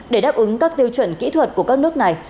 để đáp ứng các tiêu chuẩn kỹ thuật của các nước này